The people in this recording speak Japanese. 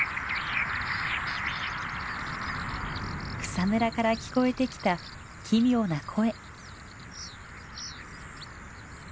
草むらから聞こえてきた奇妙な声。